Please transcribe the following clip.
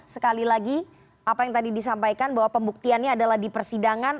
sekali lagi apa yang tadi disampaikan bahwa pembuktiannya adalah di persidangan